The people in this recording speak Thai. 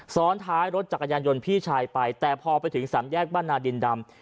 ซ้อนท้ายรถจักรยานยนต์พี่ชายไปแต่พอไปถึงสามแยกบ้านนาดินดำ